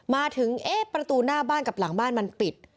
มาถึงเอ๊ะประตูหน้าบ้านกับหลังบ้านมันปิด